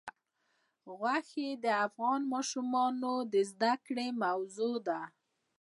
غوښې د افغان ماشومانو د زده کړې موضوع ده.